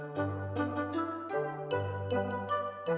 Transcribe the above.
lihat ini terserah eva